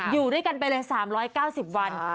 อยู่ด้วยกันไปเลย๓๙๐วัน